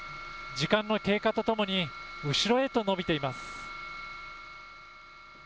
時間の経過とともに後ろへと延びています。